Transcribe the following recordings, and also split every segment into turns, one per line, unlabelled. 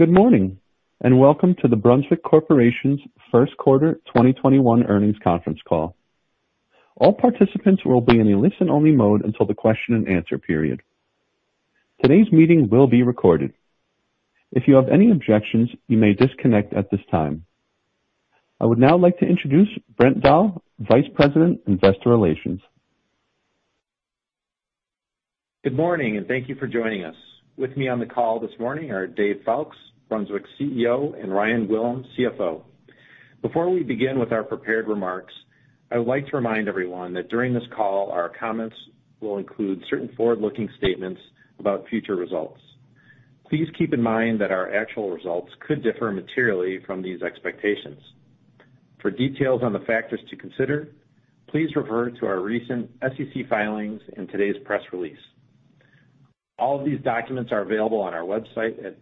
Good morning, and welcome to the Brunswick Corporation's first quarter 2021 earnings conference call. All participants will be in a listen-only mode until the question-and-answer period. Today's meeting will be recorded. If you have any objections, you may disconnect at this time. I would now like to introduce Brent Dahl, Vice President, Investor Relations.
Good morning, and thank you for joining us. With me on the call this morning are Dave Foulkes, Brunswick CEO, and Ryan Gwillim, CFO. Before we begin with our prepared remarks, I would like to remind everyone that during this call, our comments will include certain forward-looking statements about future results. Please keep in mind that our actual results could differ materially from these expectations. For details on the factors to consider, please refer to our recent SEC filings and today's press release. All of these documents are available on our website at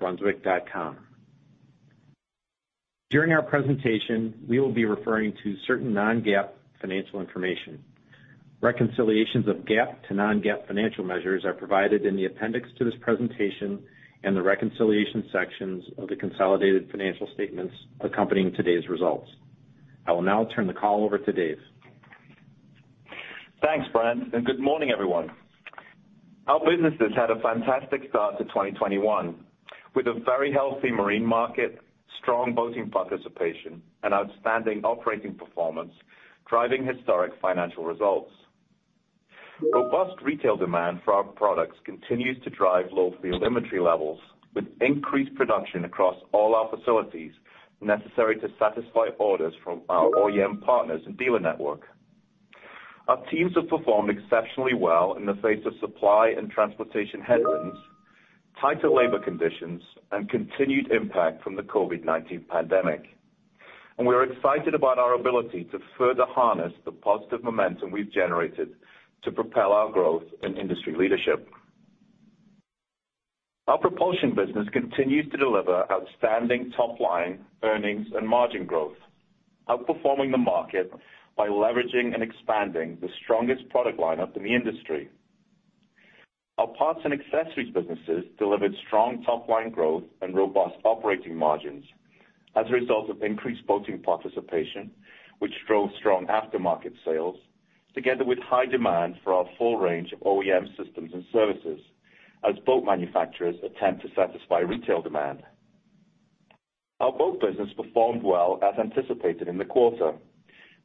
brunswick.com. During our presentation, we will be referring to certain non-GAAP financial information. Reconciliations of GAAP to non-GAAP financial measures are provided in the appendix to this presentation and the reconciliation sections of the consolidated financial statements accompanying today's results. I will now turn the call over to Dave.
Thanks, Brent, and good morning, everyone. Our businesses had a fantastic start to 2021 with a very healthy marine market, strong boating participation, and outstanding operating performance driving historic financial results. Robust retail demand for our products continues to drive low field inventory levels with increased production across all our facilities necessary to satisfy orders from our OEM partners and dealer network. Our teams have performed exceptionally well in the face of supply and transportation headwinds, tighter labor conditions, and continued impact from the COVID-19 pandemic, and we are excited about our ability to further harness the positive momentum we've generated to propel our growth and industry leadership. Our propulsion business continues to deliver outstanding top-line earnings and margin growth, outperforming the market by leveraging and expanding the strongest product lineup in the industry. Our parts and accessories businesses delivered strong top-line growth and robust operating margins as a result of increased boating participation, which drove strong aftermarket sales, together with high demand for our full range of OEM systems and services as boat manufacturers attempt to satisfy retail demand. Our boat business performed well as anticipated in the quarter,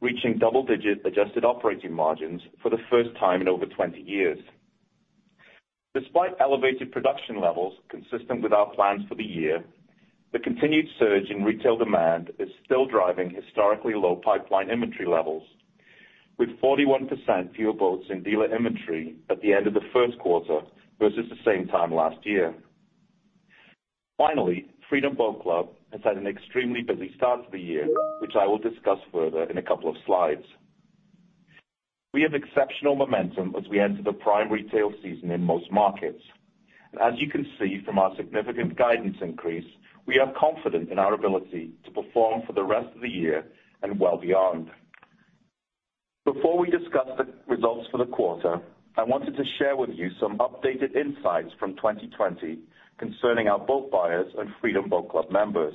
reaching double-digit adjusted operating margins for the first time in over 20 years. Despite elevated production levels consistent with our plans for the year, the continued surge in retail demand is still driving historically low pipeline inventory levels, with 41% fewer boats in dealer inventory at the end of the first quarter versus the same time last year. Finally, Freedom Boat Club has had an extremely busy start to the year, which I will discuss further in a couple of slides. We have exceptional momentum as we enter the prime retail season in most markets. As you can see from our significant guidance increase, we are confident in our ability to perform for the rest of the year and well beyond. Before we discuss the results for the quarter, I wanted to share with you some updated insights from 2020 concerning our boat buyers and Freedom Boat Club members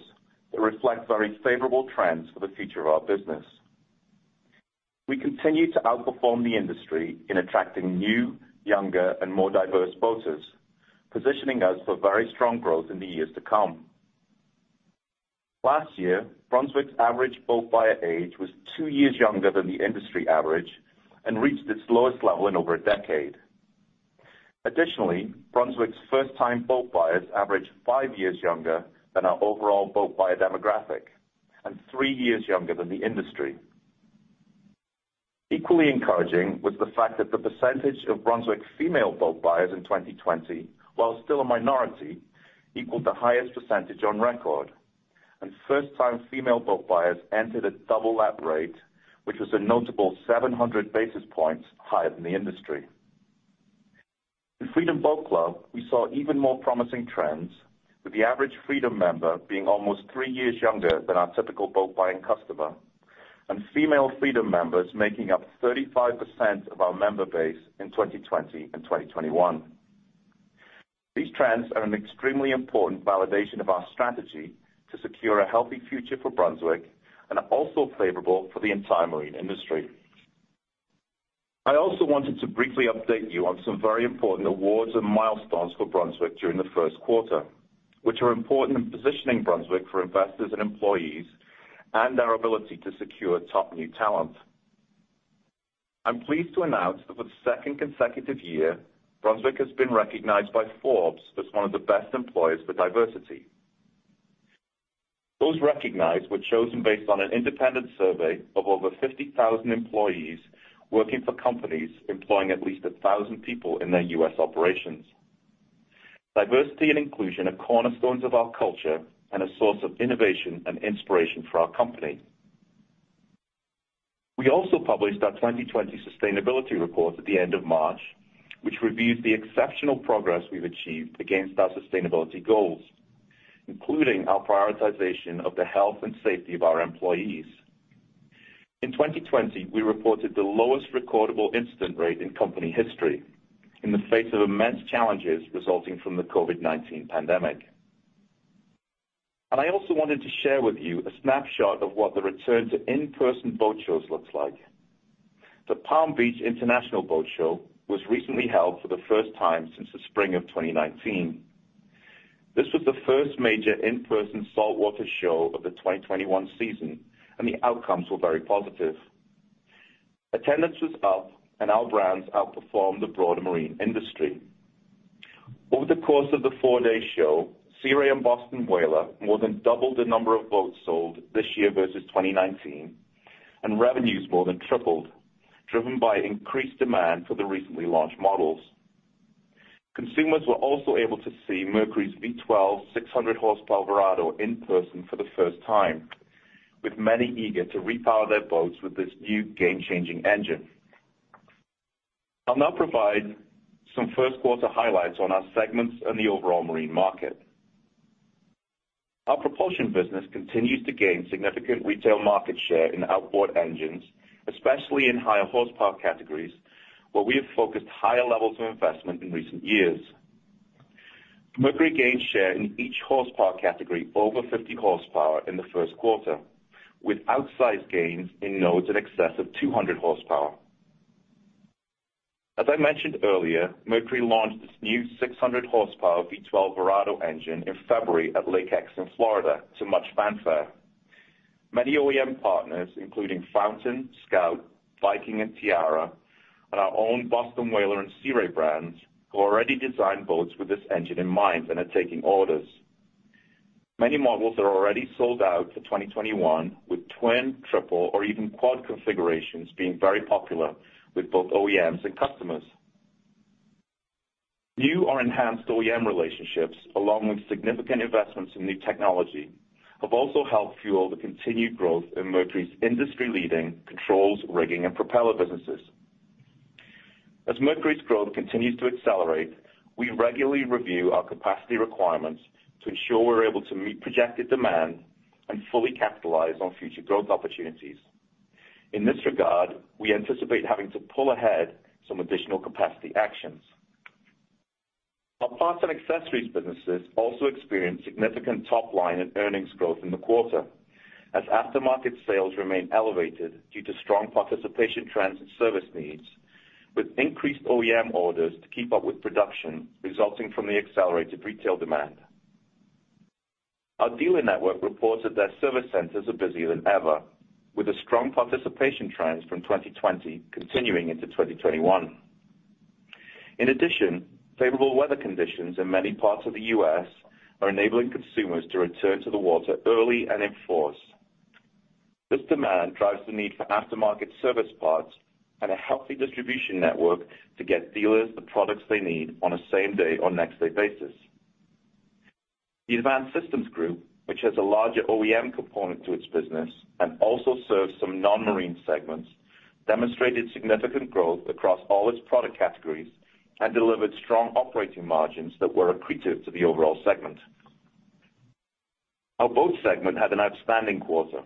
that reflect very favorable trends for the future of our business. We continue to outperform the industry in attracting new, younger, and more diverse boaters, positioning us for very strong growth in the years to come. Last year, Brunswick's average boat buyer age was two years younger than the industry average and reached its lowest level in over a decade. Additionally, Brunswick's first-time boat buyers averaged five years younger than our overall boat buyer demographic and three years younger than the industry. Equally encouraging was the fact that the percentage of Brunswick female boat buyers in 2020, while still a minority, equaled the highest percentage on record, and first-time female boat buyers entered at double that rate, which was a notable 700 basis points higher than the industry. In Freedom Boat Club, we saw even more promising trends, with the average Freedom member being almost three years younger than our typical boat buying customer and female Freedom members making up 35% of our member base in 2020 and 2021. These trends are an extremely important validation of our strategy to secure a healthy future for Brunswick and are also favorable for the entire marine industry. I also wanted to briefly update you on some very important awards and milestones for Brunswick during the first quarter, which are important in positioning Brunswick for investors and employees and our ability to secure top new talent. I'm pleased to announce that for the second consecutive year, Brunswick has been recognized by Forbes as one of the best employers for diversity. Those recognized were chosen based on an independent survey of over 50,000 employees working for companies employing at least 1,000 people in their U.S. operations. Diversity and inclusion are cornerstones of our culture and a source of innovation and inspiration for our company. We also published our 2020 sustainability report at the end of March, which reviews the exceptional progress we've achieved against our sustainability goals, including our prioritization of the health and safety of our employees. In 2020, we reported the lowest recordable incident rate in company history in the face of immense challenges resulting from the COVID-19 pandemic. And I also wanted to share with you a snapshot of what the return to in-person boat shows looks like. The Palm Beach International Boat Show was recently held for the first time since the spring of 2019. This was the first major in-person saltwater show of the 2021 season, and the outcomes were very positive. Attendance was up, and our brands outperformed the broader marine industry. Over the course of the four-day show, Sea Ray and Boston Whaler more than doubled the number of boats sold this year versus 2019, and revenues more than tripled, driven by increased demand for the recently launched models. Consumers were also able to see Mercury's V12 600-horsepower Verado in person for the first time, with many eager to repower their boats with this new game-changing engine. I'll now provide some first-quarter highlights on our segments and the overall marine market. Our propulsion business continues to gain significant retail market share in outboard engines, especially in higher horsepower categories, where we have focused higher levels of investment in recent years. Mercury gained share in each horsepower category for over 50 horsepower in the first quarter, with outsized gains in nodes in excess of 200 horsepower. As I mentioned earlier, Mercury launched this new 600-horsepower V12 Verado engine in February at Lake X, Florida, to much fanfare. Many OEM partners, including Fountain, Scout, Viking, and Tiara, and our own Boston Whaler and Sea Ray brands, have already designed boats with this engine in mind and are taking orders. Many models are already sold out for 2021, with twin, triple, or even quad configurations being very popular with both OEMs and customers. New or enhanced OEM relationships, along with significant investments in new technology, have also helped fuel the continued growth in Mercury's industry-leading controls, rigging, and propeller businesses. As Mercury's growth continues to accelerate, we regularly review our capacity requirements to ensure we're able to meet projected demand and fully capitalize on future growth opportunities. In this regard, we anticipate having to pull ahead some additional capacity actions. Our parts and accessories businesses also experienced significant top-line and earnings growth in the quarter, as aftermarket sales remain elevated due to strong participation trends in service needs, with increased OEM orders to keep up with production resulting from the accelerated retail demand. Our dealer network reports that their service centers are busier than ever, with a strong participation trend from 2020 continuing into 2021. In addition, favorable weather conditions in many parts of the U.S. are enabling consumers to return to the water early and in force. This demand drives the need for aftermarket service parts and a healthy distribution network to get dealers the products they need on a same-day or next-day basis. The Advanced Systems Group, which has a larger OEM component to its business and also serves some non-marine segments, demonstrated significant growth across all its product categories and delivered strong operating margins that were accretive to the overall segment. Our boat segment had an outstanding quarter,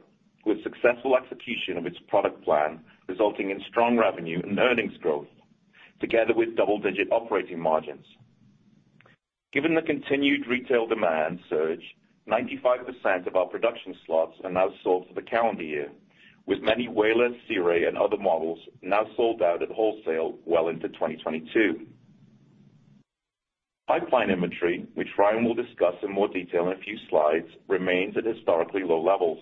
with successful execution of its product plan resulting in strong revenue and earnings growth, together with double-digit operating margins. Given the continued retail demand surge, 95% of our production slots are now sold for the calendar year, with many Whaler, Sea Ray, and other models now sold out at wholesale well into 2022. Pipeline inventory, which Ryan will discuss in more detail in a few slides, remains at historically low levels,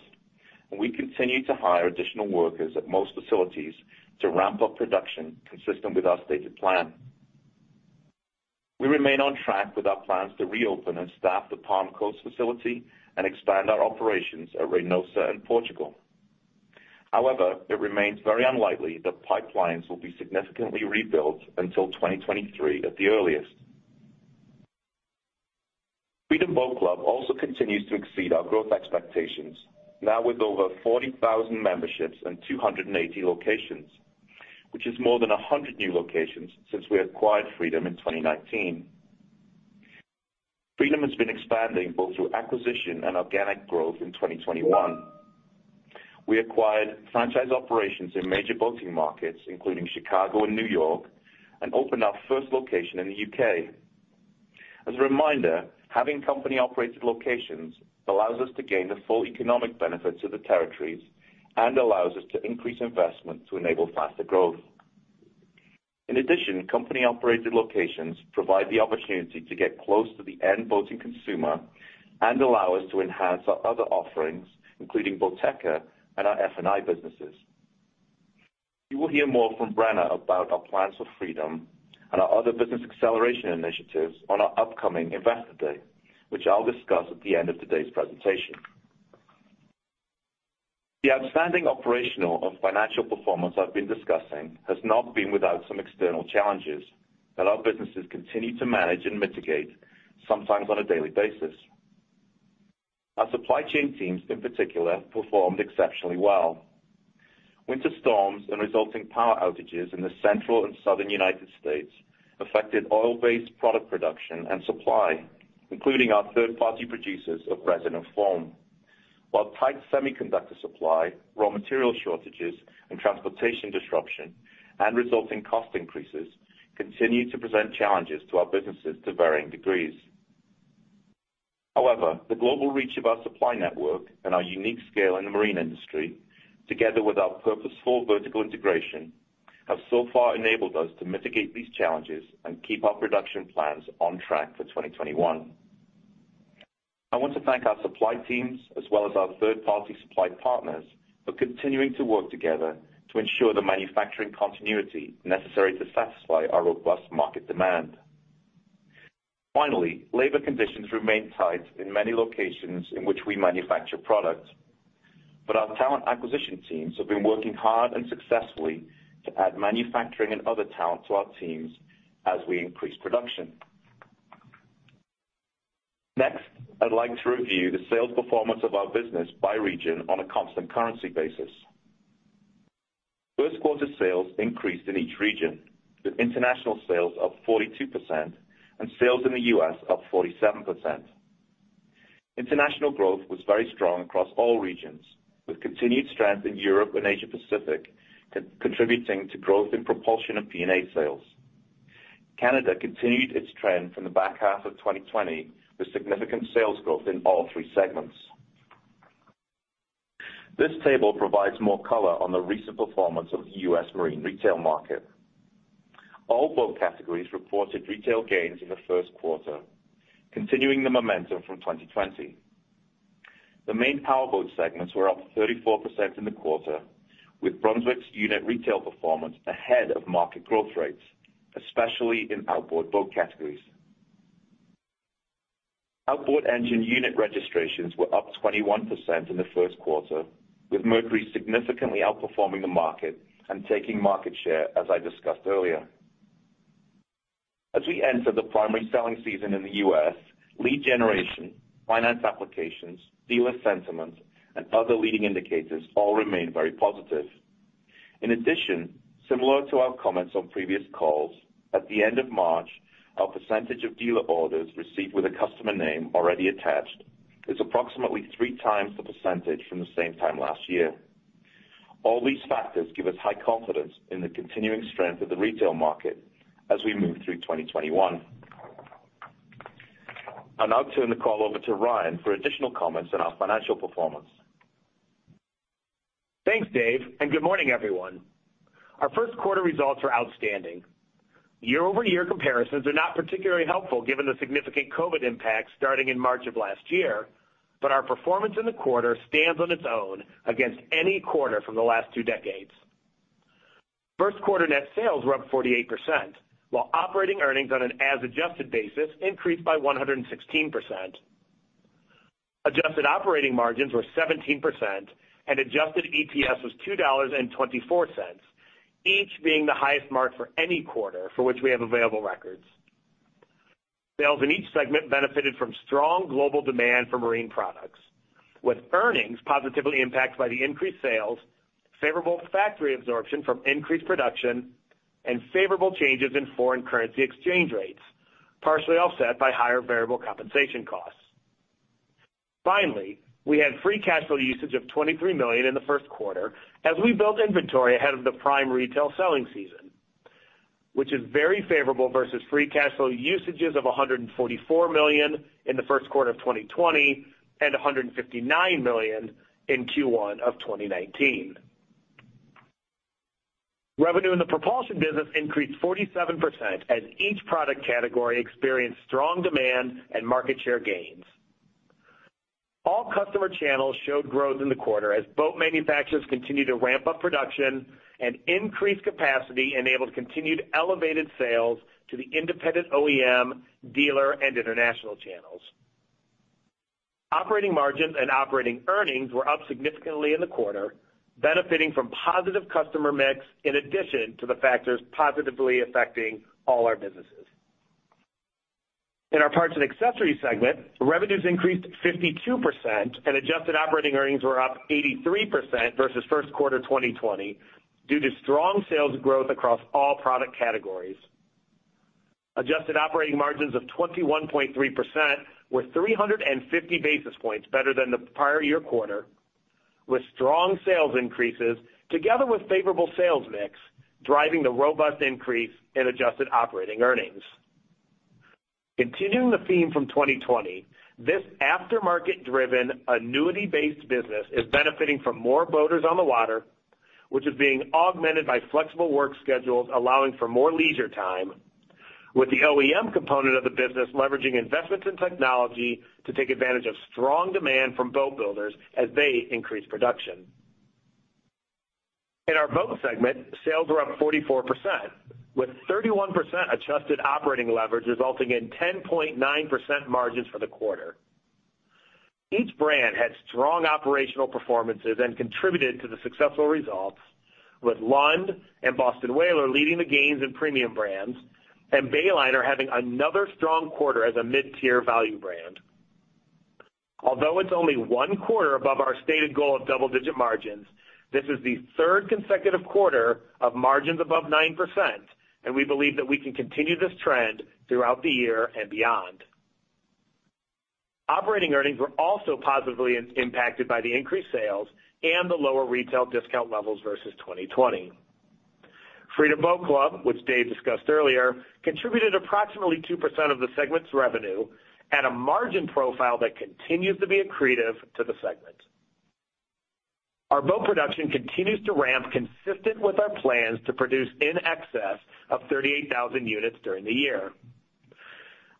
and we continue to hire additional workers at most facilities to ramp up production consistent with our stated plan. We remain on track with our plans to reopen and staff the Palm Coast facility and expand our operations at Reynosa and Portugal. However, it remains very unlikely that pipelines will be significantly rebuilt until 2023 at the earliest. Freedom Boat Club also continues to exceed our growth expectations, now with over 40,000 memberships and 280 locations, which is more than 100 new locations since we acquired Freedom in 2019. Freedom has been expanding both through acquisition and organic growth in 2021. We acquired franchise operations in major boating markets, including Chicago and New York, and opened our first location in the U.K. As a reminder, having company-operated locations allows us to gain the full economic benefits of the territories and allows us to increase investment to enable faster growth. In addition, company-operated locations provide the opportunity to get close to the end boating consumer and allow us to enhance our other offerings, including Boateka and our F&I businesses. You will hear more from Brenna about our plans for Freedom and our other business acceleration initiatives on our upcoming Investor Day, which I'll discuss at the end of today's presentation. The outstanding operational and financial performance I've been discussing has not been without some external challenges that our businesses continue to manage and mitigate, sometimes on a daily basis. Our supply chain teams, in particular, performed exceptionally well. Winter storms and resulting power outages in the central and southern United States affected oil-based product production and supply, including our third-party producers of resin and foam. While tight semiconductor supply, raw material shortages, and transportation disruption and resulting cost increases continue to present challenges to our businesses to varying degrees. However, the global reach of our supply network and our unique scale in the marine industry, together with our purposeful vertical integration, have so far enabled us to mitigate these challenges and keep our production plans on track for 2021. I want to thank our supply teams, as well as our third-party supply partners, for continuing to work together to ensure the manufacturing continuity necessary to satisfy our robust market demand. Finally, labor conditions remain tight in many locations in which we manufacture product, but our talent acquisition teams have been working hard and successfully to add manufacturing and other talent to our teams as we increase production. Next, I'd like to review the sales performance of our business by region on a constant currency basis. First-quarter sales increased in each region, with international sales up 42% and sales in the U.S. up 47%. International growth was very strong across all regions, with continued strength in Europe and Asia-Pacific contributing to growth in propulsion and P&A sales. Canada continued its trend from the back half of 2020 with significant sales growth in all three segments. This table provides more color on the recent performance of the U.S. marine retail market. All boat categories reported retail gains in the first quarter, continuing the momentum from 2020. The main power boat segments were up 34% in the quarter, with Brunswick's unit retail performance ahead of market growth rates, especially in outboard boat categories. Outboard engine unit registrations were up 21% in the first quarter, with Mercury significantly outperforming the market and taking market share, as I discussed earlier. As we enter the primary selling season in the U.S., lead generation, finance applications, dealer sentiment, and other leading indicators all remain very positive. In addition, similar to our comments on previous calls, at the end of March, our percentage of dealer orders received with a customer name already attached is approximately three times the percentage from the same time last year. All these factors give us high confidence in the continuing strength of the retail market as we move through 2021. I'll now turn the call over to Ryan for additional comments on our financial performance.
Thanks, Dave, and good morning, everyone. Our first-quarter results are outstanding. Year-over-year comparisons are not particularly helpful given the significant COVID impacts starting in March of last year, but our performance in the quarter stands on its own against any quarter from the last two decades. First-quarter net sales were up 48%, while operating earnings on an as-adjusted basis increased by 116%. Adjusted operating margins were 17%, and adjusted EPS was $2.24, each being the highest mark for any quarter for which we have available records. Sales in each segment benefited from strong global demand for marine products, with earnings positively impacted by the increased sales, favorable factory absorption from increased production, and favorable changes in foreign currency exchange rates, partially offset by higher variable compensation costs. Finally, we had free cash flow usage of $23 million in the first quarter as we built inventory ahead of the prime retail selling season, which is very favorable versus free cash flow usages of $144 million in the first quarter of 2020 and $159 million in Q1 of 2019. Revenue in the propulsion business increased 47% as each product category experienced strong demand and market share gains. All customer channels showed growth in the quarter as boat manufacturers continued to ramp up production and increased capacity enabled continued elevated sales to the independent OEM, dealer, and international channels. Operating margins and operating earnings were up significantly in the quarter, benefiting from positive customer mix in addition to the factors positively affecting all our businesses. In our parts and accessories segment, revenues increased 52%, and adjusted operating earnings were up 83% versus first quarter 2020 due to strong sales growth across all product categories. Adjusted operating margins of 21.3% were 350 basis points better than the prior year quarter, with strong sales increases together with favorable sales mix driving the robust increase in adjusted operating earnings. Continuing the theme from 2020, this aftermarket-driven, annuity-based business is benefiting from more boaters on the water, which is being augmented by flexible work schedules allowing for more leisure time, with the OEM component of the business leveraging investments in technology to take advantage of strong demand from boat builders as they increase production. In our boat segment, sales were up 44%, with 31% adjusted operating leverage resulting in 10.9% margins for the quarter. Each brand had strong operational performances and contributed to the successful results, with Lund and Boston Whaler leading the gains in premium brands, and Bayliner having another strong quarter as a mid-tier value brand. Although it's only one quarter above our stated goal of double-digit margins, this is the third consecutive quarter of margins above 9%, and we believe that we can continue this trend throughout the year and beyond. Operating earnings were also positively impacted by the increased sales and the lower retail discount levels versus 2020. Freedom Boat Club, which Dave discussed earlier, contributed approximately 2% of the segment's revenue at a margin profile that continues to be accretive to the segment. Our boat production continues to ramp, consistent with our plans to produce in excess of 38,000 units during the year.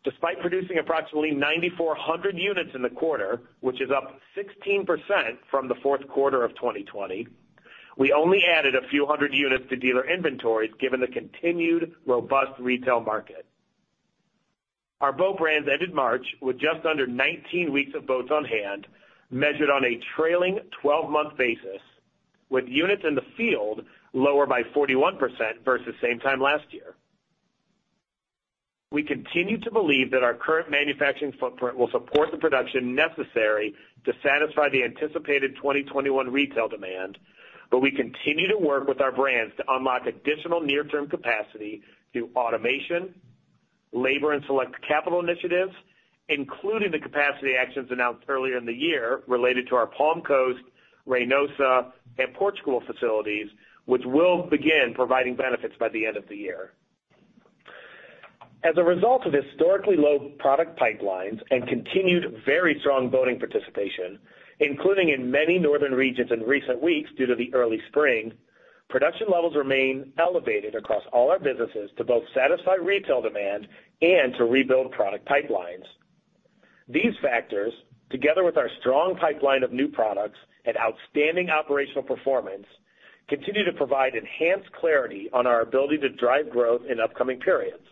Despite producing approximately 9,400 units in the quarter, which is up 16% from the fourth quarter of 2020, we only added a few hundred units to dealer inventories given the continued robust retail market. Our boat brands ended March with just under 19 weeks of boats on hand, measured on a trailing 12-month basis, with units in the field lower by 41% versus same time last year. We continue to believe that our current manufacturing footprint will support the production necessary to satisfy the anticipated 2021 retail demand, but we continue to work with our brands to unlock additional near-term capacity through automation, labor, and select capital initiatives, including the capacity actions announced earlier in the year related to our Palm Coast, Reynosa, and Portugal facilities, which will begin providing benefits by the end of the year. As a result of historically low product pipelines and continued very strong boating participation, including in many northern regions in recent weeks due to the early spring, production levels remain elevated across all our businesses to both satisfy retail demand and to rebuild product pipelines. These factors, together with our strong pipeline of new products and outstanding operational performance, continue to provide enhanced clarity on our ability to drive growth in upcoming periods,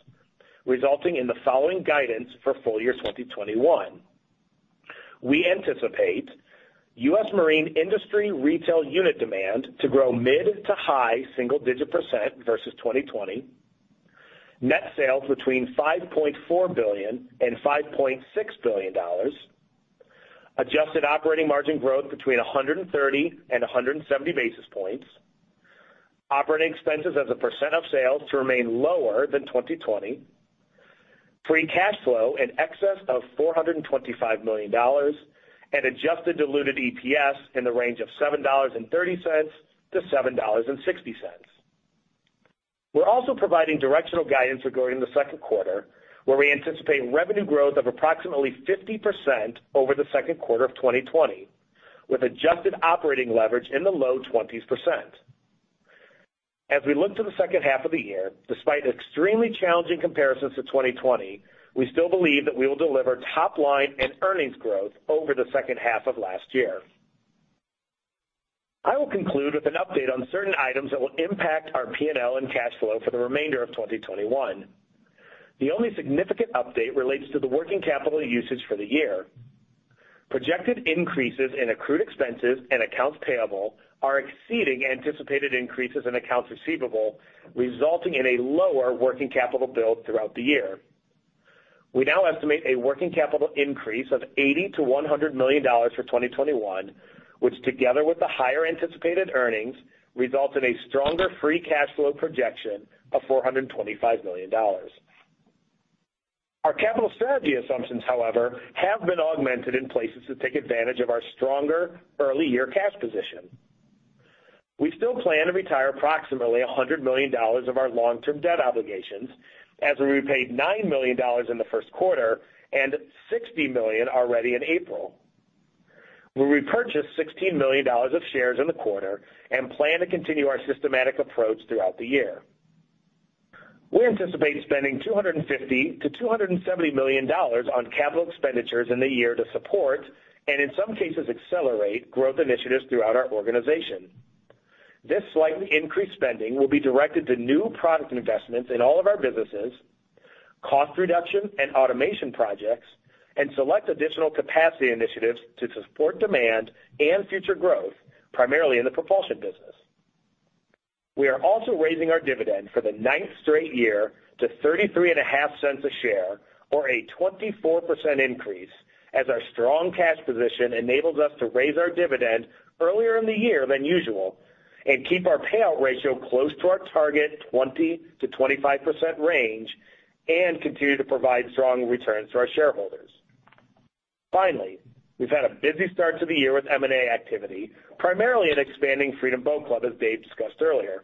resulting in the following guidance for full year 2021. We anticipate U.S. marine industry retail unit demand to grow mid- to high-single-digit percent versus 2020, net sales between $5.4 billion and $5.6 billion, adjusted operating margin growth between 130 and 170 basis points, operating expenses as a percent of sales to remain lower than 2020, free cash flow in excess of $425 million, and adjusted diluted EPS in the range of $7.30-$7.60. We're also providing directional guidance regarding the second quarter, where we anticipate revenue growth of approximately 50% over the second quarter of 2020, with adjusted operating leverage in the low 20%. As we look to the second half of the year, despite extremely challenging comparisons to 2020, we still believe that we will deliver top-line and earnings growth over the second half of last year. I will conclude with an update on certain items that will impact our P&L and cash flow for the remainder of 2021. The only significant update relates to the working capital usage for the year. Projected increases in accrued expenses and accounts payable are exceeding anticipated increases in accounts receivable, resulting in a lower working capital build throughout the year. We now estimate a working capital increase of $80 million-$100 million for 2021, which, together with the higher anticipated earnings, results in a stronger free cash flow projection of $425 million. Our capital strategy assumptions, however, have been augmented in places to take advantage of our stronger early-year cash position. We still plan to retire approximately $100 million of our long-term debt obligations, as we repaid $9 million in the first quarter and $60 million already in April. We repurchased $16 million of shares in the quarter and plan to continue our systematic approach throughout the year. We anticipate spending $250 million-$270 million on capital expenditures in the year to support, and in some cases, accelerate growth initiatives throughout our organization. This slightly increased spending will be directed to new product investments in all of our businesses, cost reduction and automation projects, and select additional capacity initiatives to support demand and future growth, primarily in the propulsion business. We are also raising our dividend for the ninth straight year to $0.335 a share, or a 24% increase, as our strong cash position enables us to raise our dividend earlier in the year than usual and keep our payout ratio close to our target 20%-25% range and continue to provide strong returns to our shareholders. Finally, we've had a busy start to the year with M&A activity, primarily in expanding Freedom Boat Club, as Dave discussed earlier.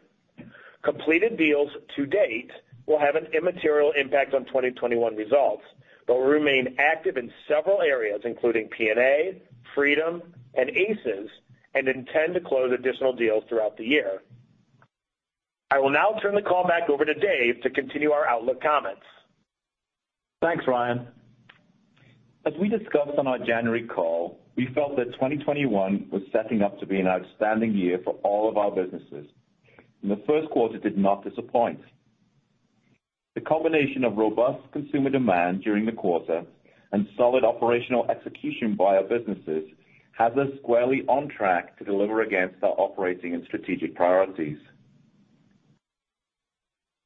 Completed deals to date will have an immaterial impact on 2021 results, but we remain active in several areas, including P&A, Freedom, and ACES, and intend to close additional deals throughout the year. I will now turn the call back over to Dave to continue our outlook comments.
Thanks, Ryan. As we discussed on our January call, we felt that 2021 was setting up to be an outstanding year for all of our businesses, and the first quarter did not disappoint. The combination of robust consumer demand during the quarter and solid operational execution by our businesses has us squarely on track to deliver against our operating and strategic priorities.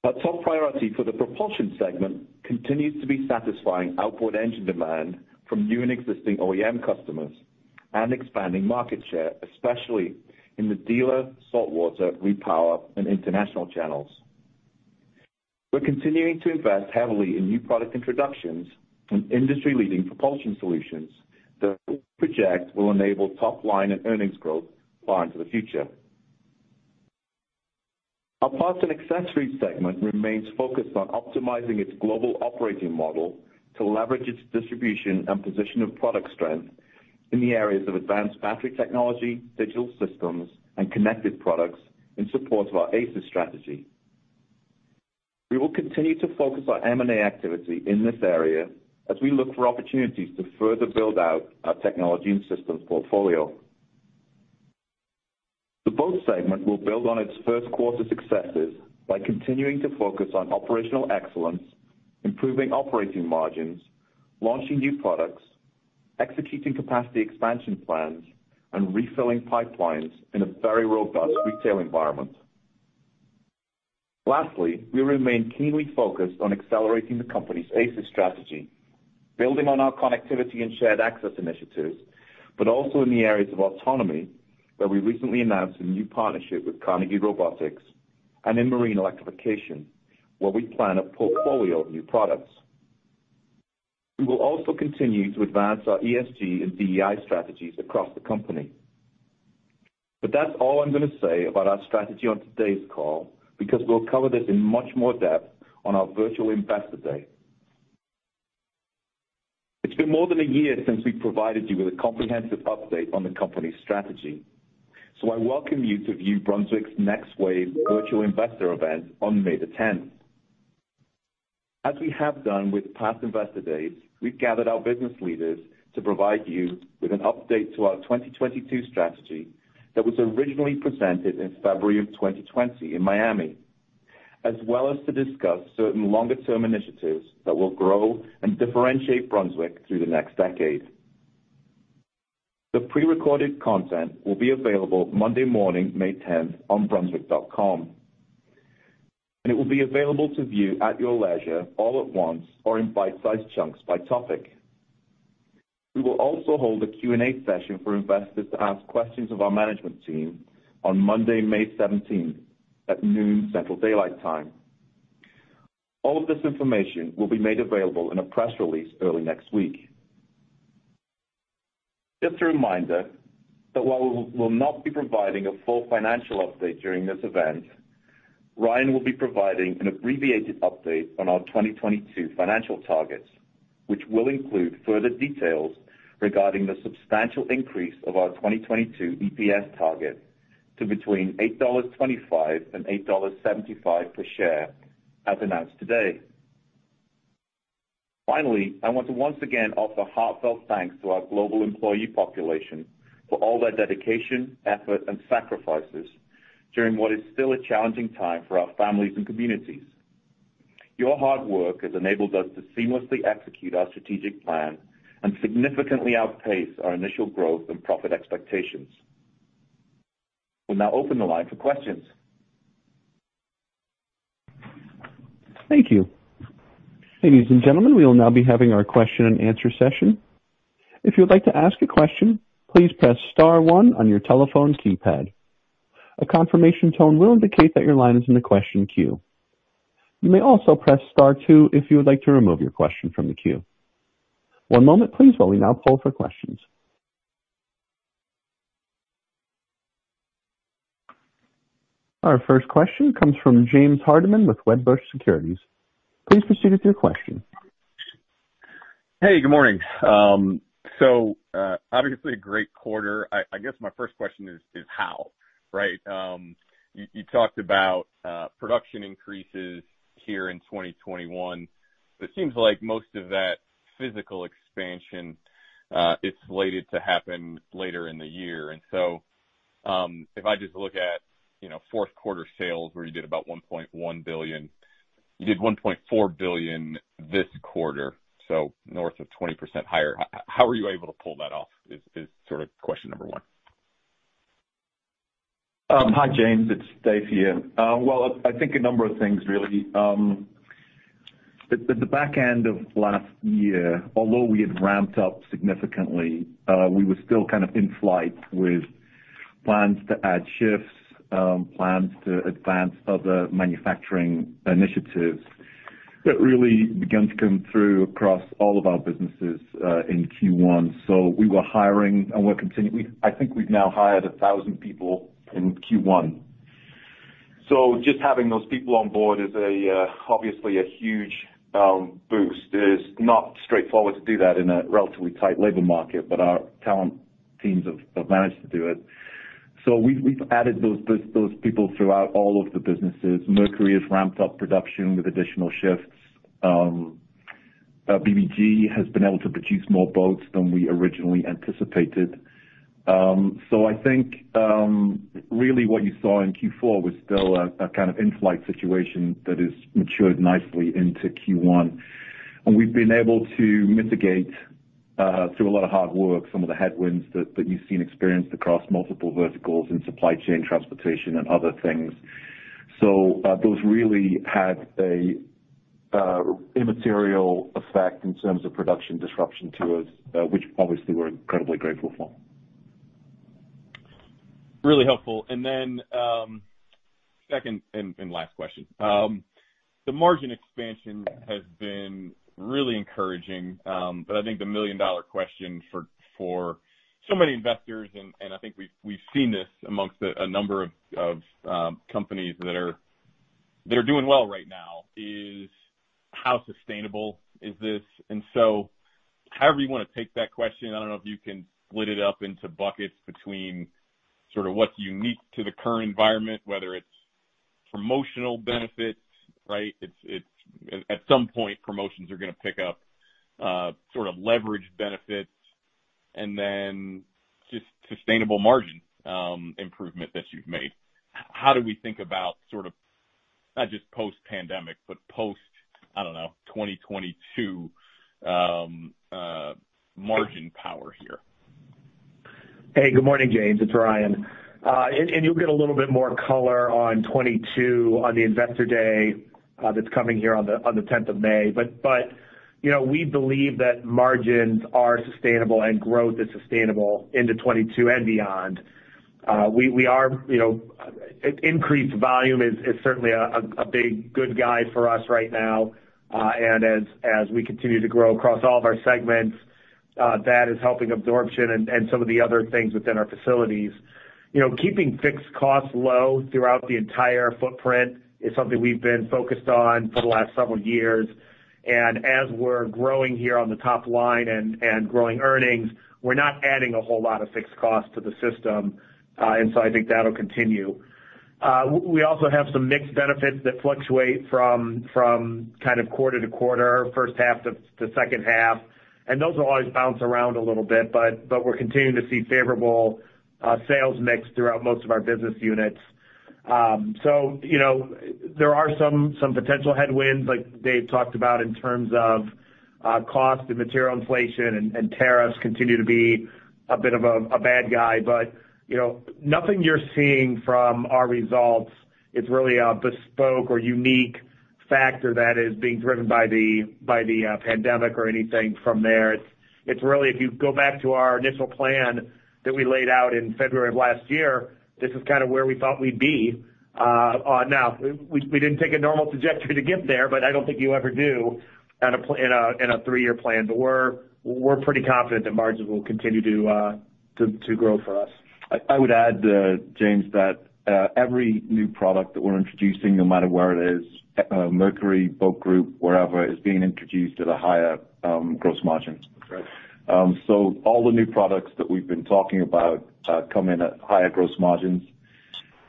Our top priority for the propulsion segment continues to be satisfying outboard engine demand from new and existing OEM customers and expanding market share, especially in the dealer, saltwater, repower, and international channels. We're continuing to invest heavily in new product introductions and industry-leading propulsion solutions that we project will enable top-line and earnings growth far into the future. Our parts and accessories segment remains focused on optimizing its global operating model to leverage its distribution and position of product strength in the areas of advanced battery technology, digital systems, and connected products in support of our ACES strategy. We will continue to focus our M&A activity in this area as we look for opportunities to further build out our technology and systems portfolio. The boat segment will build on its first quarter successes by continuing to focus on operational excellence, improving operating margins, launching new products, executing capacity expansion plans, and refilling pipelines in a very robust retail environment. Lastly, we remain keenly focused on accelerating the company's ACES strategy, building on our connectivity and shared access initiatives, but also in the areas of autonomy, where we recently announced a new partnership with Carnegie Robotics, and in marine electrification, where we plan a portfolio of new products. We will also continue to advance our ESG and DEI strategies across the company. But that's all I'm going to say about our strategy on today's call because we'll cover this in much more depth on our virtual investor day. It's been more than a year since we've provided you with a comprehensive update on the company's strategy, so I welcome you to view Brunswick's next wave virtual investor event on May the 10th. As we have done with past investor days, we've gathered our business leaders to provide you with an update to our 2022 strategy that was originally presented in February of 2020 in Miami, as well as to discuss certain longer-term initiatives that will grow and differentiate Brunswick through the next decade. The pre-recorded content will be available Monday morning, May 10th, on brunswick.com, and it will be available to view at your leisure, all at once or in bite-sized chunks by topic. We will also hold a Q&A session for investors to ask questions of our management team on Monday, May 17th, at noon Central Daylight Time. All of this information will be made available in a press release early next week. Just a reminder that while we will not be providing a full financial update during this event, Ryan will be providing an abbreviated update on our 2022 financial targets, which will include further details regarding the substantial increase of our 2022 EPS target to between $8.25 and $8.75 per share as announced today. Finally, I want to once again offer heartfelt thanks to our global employee population for all their dedication, effort, and sacrifices during what is still a challenging time for our families and communities. Your hard work has enabled us to seamlessly execute our strategic plan and significantly outpace our initial growth and profit expectations. We'll now open the line for questions.
Thank you. Ladies and gentlemen, we will now be having our question and answer session. If you would like to ask a question, please press Star one on your telephone keypad. A confirmation tone will indicate that your line is in the question queue. You may also press Star two if you would like to remove your question from the queue. One moment, please, while we now poll for questions. Our first question comes from James Hardiman with Wedbush Securities. Please proceed with your question.
Hey, good morning. So, obviously, a great quarter. I guess my first question is, how? Right? You talked about production increases here in 2021, but it seems like most of that physical expansion is slated to happen later in the year. And so if I just look at fourth quarter sales, where you did about $1.1 billion, you did $1.4 billion this quarter, so north of 20% higher. How were you able to pull that off is sort of question number one.
Hi, James. It's Dave here. Well, I think a number of things, really. At the back end of last year, although we had ramped up significantly, we were still kind of in flight with plans to add shifts, plans to advance other manufacturing initiatives that really began to come through across all of our businesses in Q1, so we were hiring, and I think we've now hired 1,000 people in Q1. So just having those people on board is obviously a huge boost. It's not straightforward to do that in a relatively tight labor market, but our talent teams have managed to do it, so we've added those people throughout all of the businesses. Mercury has ramped up production with additional shifts. BBG has been able to produce more boats than we originally anticipated, so I think, really, what you saw in Q4 was still a kind of in-flight situation that has matured nicely into Q1. And we've been able to mitigate, through a lot of hard work, some of the headwinds that you've seen, experienced across multiple verticals in supply chain, transportation, and other things. So those really had an immaterial effect in terms of production disruption to us, which, obviously, we're incredibly grateful for.
Really helpful. And then, second and last question. The margin expansion has been really encouraging, but I think the million-dollar question for so many investors, and I think we've seen this amongst a number of companies that are doing well right now, is how sustainable is this? And so however you want to take that question, I don't know if you can split it up into buckets between sort of what's unique to the current environment, whether it's promotional benefits, right? At some point, promotions are going to pick up, sort of leverage benefits, and then just sustainable margin improvement that you've made. How do we think about sort of not just post-pandemic, but post, I don't know, 2022 margin power here?
Hey, good morning, James. It's Ryan. And you'll get a little bit more color on 2022 on the investor day that's coming here on the 10th of May. But we believe that margins are sustainable and growth is sustainable into 2022 and beyond. We are, increased volume is certainly a big good guy for us right now. And as we continue to grow across all of our segments, that is helping absorption and some of the other things within our facilities. Keeping fixed costs low throughout the entire footprint is something we've been focused on for the last several years. As we're growing here on the top line and growing earnings, we're not adding a whole lot of fixed costs to the system. So I think that'll continue. We also have some mixed benefits that fluctuate from kind of quarter to quarter, first half to second half. Those will always bounce around a little bit, but we're continuing to see favorable sales mix throughout most of our business units. There are some potential headwinds, like Dave talked about, in terms of cost and material inflation, and tariffs continue to be a bit of a bad guy. Nothing you're seeing from our results is really a bespoke or unique factor that is being driven by the pandemic or anything from there. It's really, if you go back to our initial plan that we laid out in February of last year, this is kind of where we thought we'd be. Now, we didn't take a normal trajectory to get there, but I don't think you ever do in a three-year plan. But we're pretty confident that margins will continue to grow for us.
I would add, James, that every new product that we're introducing, no matter where it is, Mercury, Boat Group, wherever, is being introduced at a higher gross margin. So all the new products that we've been talking about come in at higher gross margins.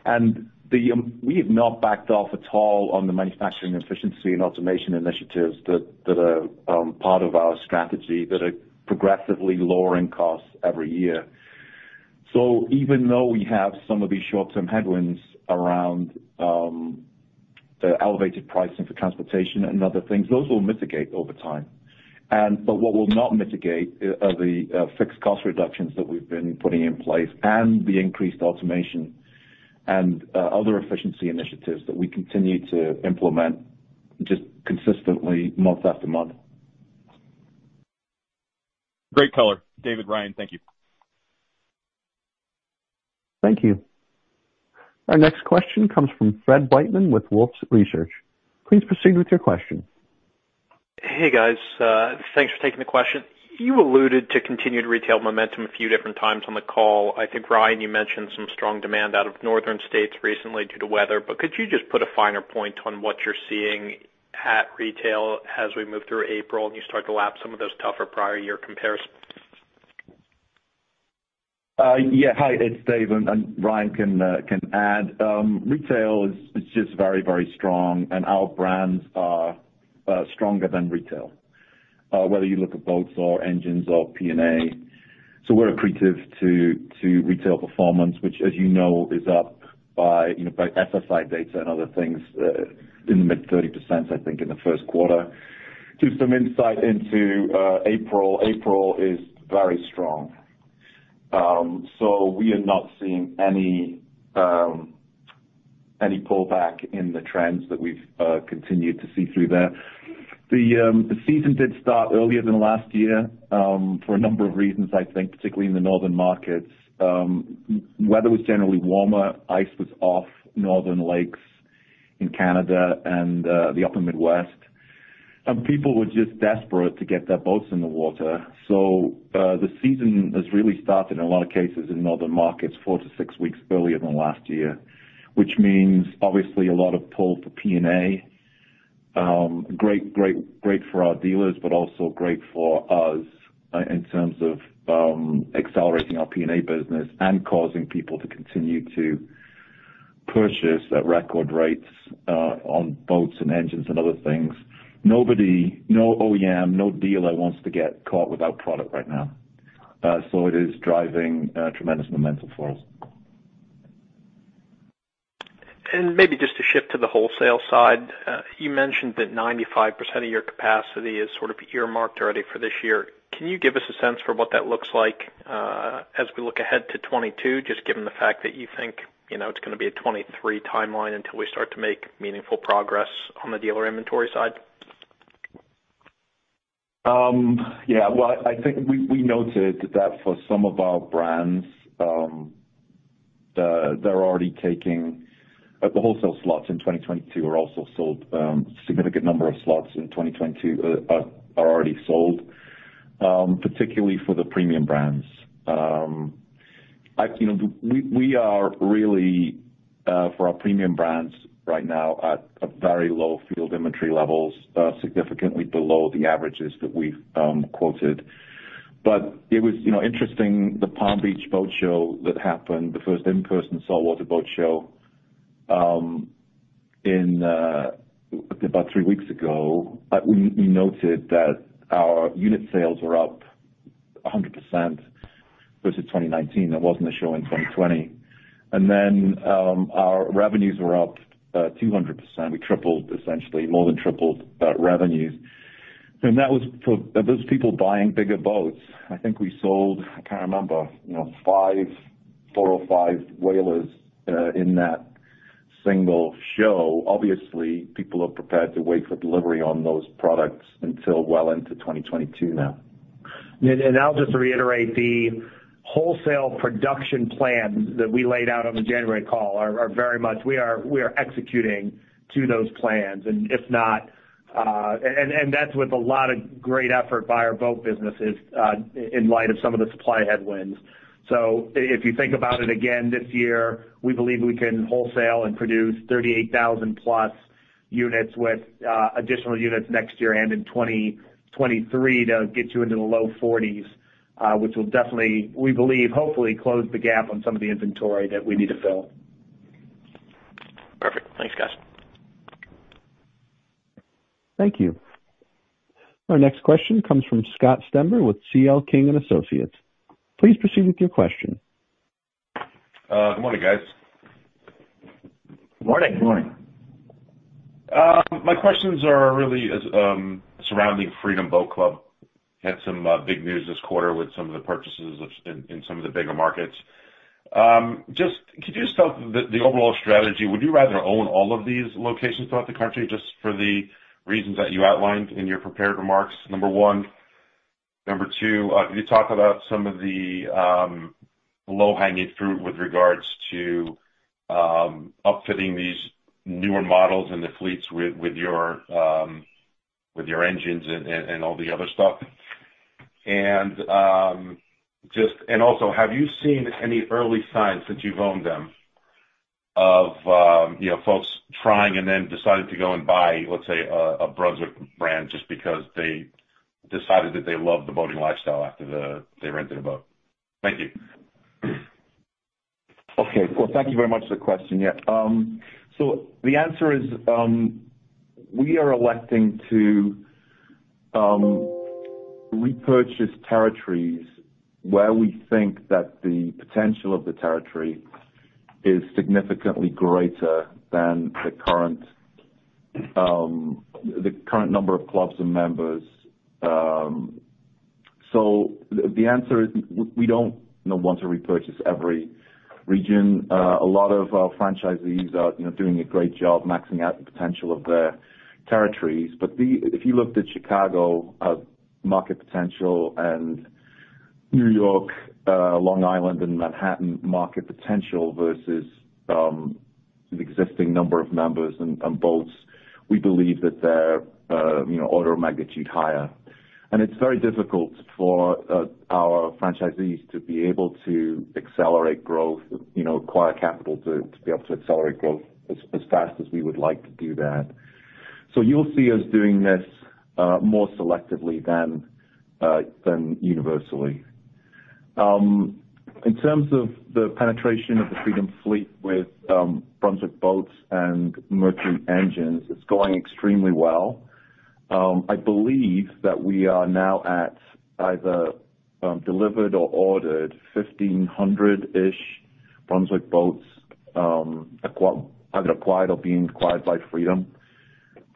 And we have not backed off at all on the manufacturing efficiency and automation initiatives that are part of our strategy that are progressively lowering costs every year. So even though we have some of these short-term headwinds around elevated pricing for transportation and other things, those will mitigate over time. But what will not mitigate are the fixed cost reductions that we've been putting in place and the increased automation and other efficiency initiatives that we continue to implement just consistently month after month.
Great color. David, Ryan, thank you.
Thank you. Our next question comes from Fred Wightman with Wolfe Research. Please proceed with your question.
Hey, guys. Thanks for taking the question. You alluded to continued retail momentum a few different times on the call. I think, Ryan, you mentioned some strong demand out of northern states recently due to weather. But could you just put a finer point on what you're seeing at retail as we move through April and you start to lap some of those tougher prior-year comparisons?
Yeah. Hi, it's Dave. And Ryan can add. Retail is just very, very strong, and our brands are stronger than retail, whether you look at boats or engines or P&A. So we're accretive to retail performance, which, as you know, is up by SSI data and other things in the mid-30%, I think, in the first quarter. Just some insight into April. April is very strong. So we are not seeing any pullback in the trends that we've continued to see through there. The season did start earlier than last year for a number of reasons, I think, particularly in the northern markets. Weather was generally warmer. Ice was off northern lakes in Canada and the upper Midwest. And people were just desperate to get their boats in the water. So the season has really started, in a lot of cases, in northern markets four to six weeks earlier than last year, which means, obviously, a lot of pull for P&A. Great for our dealers, but also great for us in terms of accelerating our P&A business and causing people to continue to purchase at record rates on boats and engines and other things. No OEM, no dealer wants to get caught without product right now. So it is driving tremendous momentum for us.
And maybe just to shift to the wholesale side, you mentioned that 95% of your capacity is sort of earmarked already for this year. Can you give us a sense for what that looks like as we look ahead to 2022, just given the fact that you think it's going to be a 2023 timeline until we start to make meaningful progress on the dealer inventory side?
Yeah. Well, I think we noted that for some of our brands, they're already taking the wholesale slots in 2022 are also sold. A significant number of slots in 2022 are already sold, particularly for the premium brands. We are really, for our premium brands right now, at very low field inventory levels, significantly below the averages that we've quoted, but it was interesting, the Palm Beach Boat Show that happened, the first in-person Saltwater Boat Show, about three weeks ago. We noted that our unit sales were up 100% versus 2019. That wasn't a show in 2020, and then our revenues were up 200%. We tripled, essentially, more than tripled revenues, and that was for those people buying bigger boats. I think we sold, I can't remember, five 405 Whalers in that single show. Obviously, people are prepared to wait for delivery on those products until well into 2022 now
And I'll just reiterate the wholesale production plans that we laid out on the January call are very much, we are executing to those plans, and if not, and that's with a lot of great effort by our boat businesses in light of some of the supply headwinds, so if you think about it again this year, we believe we can wholesale and produce 38,000+ units with additional units next year and in 2023 to get you into the low 40s, which will definitely, we believe, hopefully close the gap on some of the inventory that we need to fill.
Perfect. Thanks, guys.
Thank you. Our next question comes from Scott Stember with CL King & Associates. Please proceed with your question.
Good morning, guys.
Good morning.
Good morning.
My questions are really surrounding Freedom Boat Club. Had some big news this quarter with some of the purchases in some of the bigger markets. Just could you just tell the overall strategy? Would you rather own all of these locations throughout the country just for the reasons that you outlined in your prepared remarks? Number one. Number two, could you talk about some of the low-hanging fruit with regards to upfitting these newer models in the fleets with your engines and all the other stuff? Also, have you seen any early signs since you've owned them of folks trying and then deciding to go and buy, let's say, a Brunswick brand just because they decided that they loved the boating lifestyle after they rented a boat? Thank you.
Okay. Well, thank you very much for the question. Yeah. So the answer is we are electing to repurchase territories where we think that the potential of the territory is significantly greater than the current number of clubs and members. So the answer is we don't want to repurchase every region. A lot of our franchisees are doing a great job maxing out the potential of their territories. But if you looked at Chicago market potential and New York, Long Island, and Manhattan market potential versus the existing number of members and boats, we believe that they're an order of magnitude higher. It's very difficult for our franchisees to be able to accelerate growth, acquire capital to be able to accelerate growth as fast as we would like to do that. So you'll see us doing this more selectively than universally. In terms of the penetration of the Freedom fleet with Brunswick boats and Mercury engines, it's going extremely well. I believe that we are now at either delivered or ordered 1,500-ish Brunswick boats either acquired or being acquired by Freedom.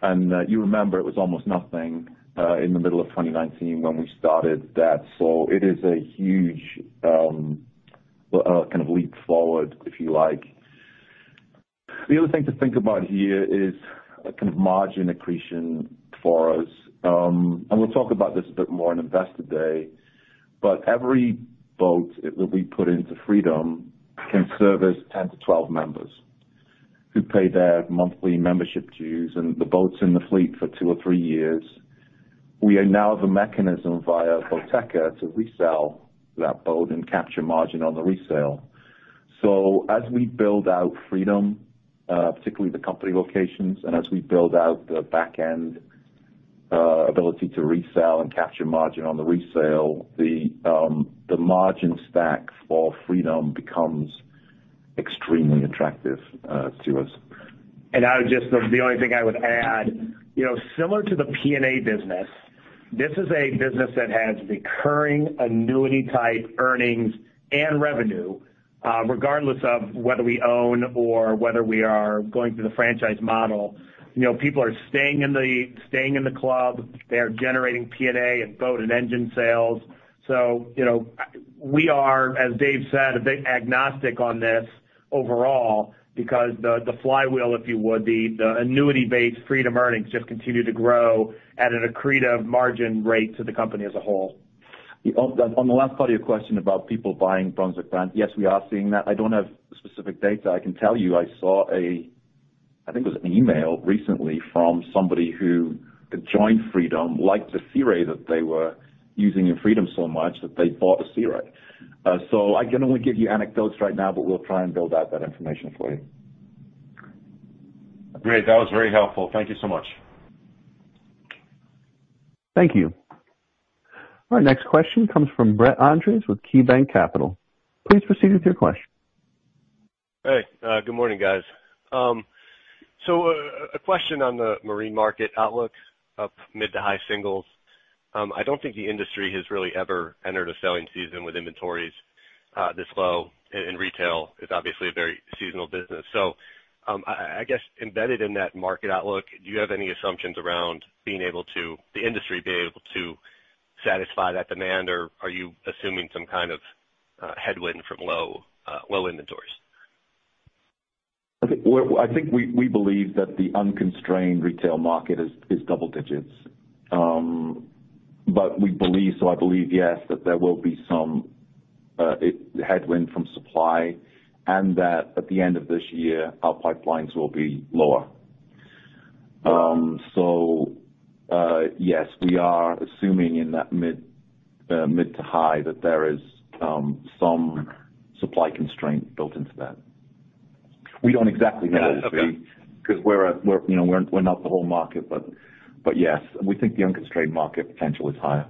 You remember it was almost nothing in the middle of 2019 when we started that. So it is a huge kind of leap forward, if you like. The other thing to think about here is kind of margin accretion for us. We'll talk about this a bit more in Investor Day. Every boat that we put into Freedom can service 10-12 members who pay their monthly membership dues and the boats in the fleet for two or three years. We now have a mechanism via Boateka to resell that boat and capture margin on the resale. As we build out Freedom, particularly the company locations, and as we build out the back-end ability to resell and capture margin on the resale, the margin stack for Freedom becomes extremely attractive to us.
The only thing I would add, similar to the P&A business, this is a business that has recurring annuity-type earnings and revenue, regardless of whether we own or whether we are going through the franchise model. People are staying in the club. They are generating P&A and boat and engine sales. So we are, as Dave said, a bit agnostic on this overall because the flywheel, if you would, the annuity-based Freedom earnings just continue to grow at an accretive margin rate to the company as a whole.
On the last part of your question about people buying Brunswick brand, yes, we are seeing that. I don't have specific data. I can tell you I saw a, I think it was an email recently from somebody who had joined Freedom, liked the Sea Ray that they were using in Freedom so much that they bought a Sea Ray. So I can only give you anecdotes right now, but we'll try and build out that information for you. Great. That was very helpful. Thank you so much.
Thank you. Our next question comes from Brett Andress with KeyBanc Capital Markets. Please proceed with your question.
Hey. Good morning, guys. So, a question on the marine market outlook of mid to high singles. I don't think the industry has really ever entered a selling season with inventories this low. And retail is obviously a very seasonal business. So I guess embedded in that market outlook, do you have any assumptions around being able to, the industry being able to satisfy that demand, or are you assuming some kind of headwind from low inventories?
I think we believe that the unconstrained retail market is double digits. But we believe, so I believe, yes, that there will be some headwind from supply and that at the end of this year, our pipelines will be lower. So yes, we are assuming in that mid to high that there is some supply constraint built into that. We don't exactly know because we're not the whole market, but yes, we think the unconstrained market potential is higher.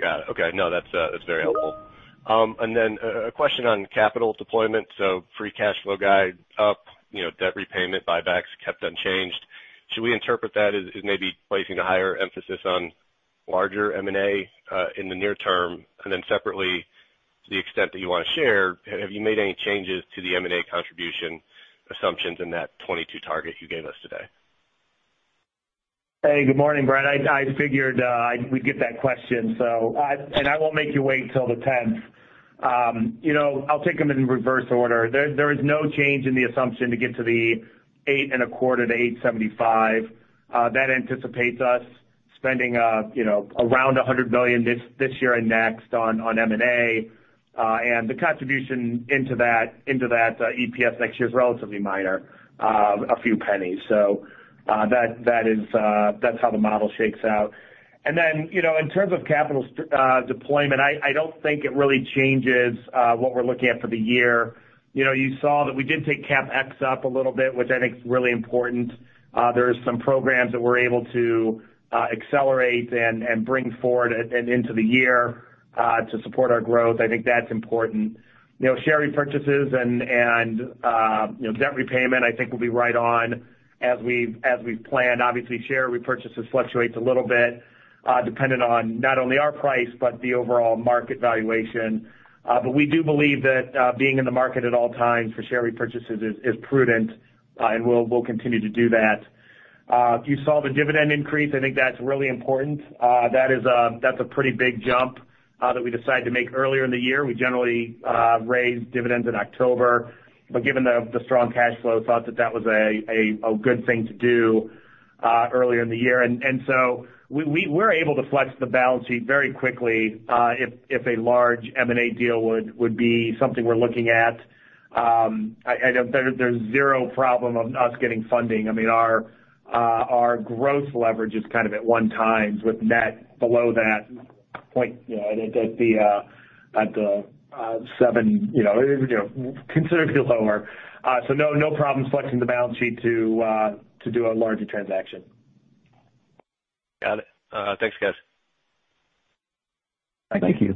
Got it. Okay. No, that's very helpful. And then a question on capital deployment. So free cash flow guide up, debt repayment buybacks kept unchanged. Should we interpret that as maybe placing a higher emphasis on larger M&A in the near term? And then separately, to the extent that you want to share, have you made any changes to the M&A contribution assumptions in that 2022 target you gave us today?
Hey, good morning, Brent. I figured we'd get that question, and I won't make you wait until the 10th. I'll take them in reverse order. There is no change in the assumption to get to the $8.25-$8.75. That anticipates us spending around $100 million this year and next on M&A. And the contribution into that EPS next year is relatively minor, a few pennies. So that's how the model shakes out. And then in terms of capital deployment, I don't think it really changes what we're looking at for the year. You saw that we did take CapEx up a little bit, which I think is really important. There are some programs that we're able to accelerate and bring forward and into the year to support our growth. I think that's important. Share repurchases and debt repayment, I think, will be right on as we've planned. Obviously, share repurchases fluctuate a little bit dependent on not only our price but the overall market valuation. But we do believe that being in the market at all times for share repurchases is prudent, and we'll continue to do that. You saw the dividend increase. I think that's really important. That's a pretty big jump that we decided to make earlier in the year. We generally raise dividends in October, but given the strong cash flow, thought that that was a good thing to do earlier in the year. And so we're able to flex the balance sheet very quickly if a large M&A deal would be something we're looking at. There's zero problem of us getting funding. I mean, our growth leverage is kind of at one times with net below that point at the seven, considerably lower. So no problem flexing the balance sheet to do a larger transaction.
Got it. Thanks, guys.
Thank you.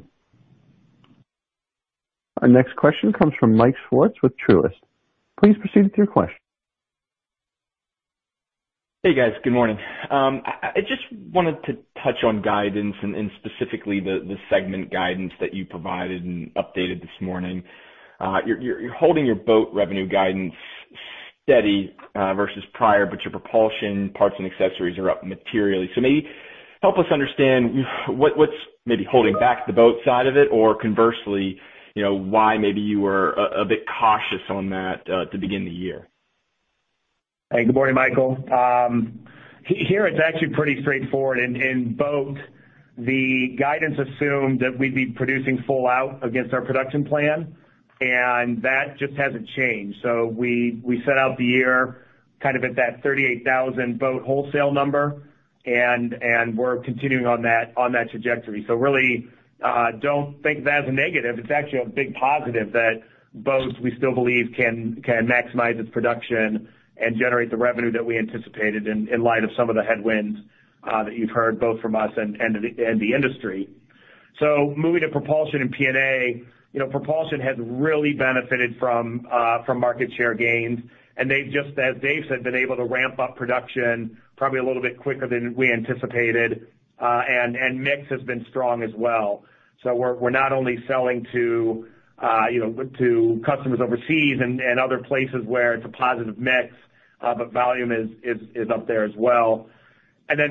Our next question comes from Mike Swartz with Truist. Please proceed with your question.
Hey, guys. Good morning. I just wanted to touch on guidance and specifically the segment guidance that you provided and updated this morning. You're holding your boat revenue guidance steady versus prior, but your propulsion, parts, and accessories are up materially. So maybe help us understand what's maybe holding back the boat side of it, or conversely, why maybe you were a bit cautious on that at the beginning of the year.
Hey, good morning, Michael. Here, it's actually pretty straightforward. In boat, the guidance assumed that we'd be producing full out against our production plan, and that just hasn't changed. So we set out the year kind of at that 38,000 boat wholesale number, and we're continuing on that trajectory. So really, don't think of that as a negative. It's actually a big positive that boats, we still believe, can maximize its production and generate the revenue that we anticipated in light of some of the headwinds that you've heard both from us and the industry. Moving to propulsion and P&A, propulsion has really benefited from market share gains, and they've, as Dave said, been able to ramp up production probably a little bit quicker than we anticipated, and mix has been strong as well. We're not only selling to customers overseas and other places where it's a positive mix, but volume is up there as well.